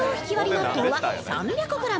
納豆は３００ｇ。